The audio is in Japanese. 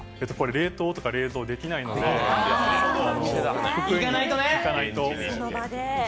冷凍とか冷蔵ができないので、福井に行かないと。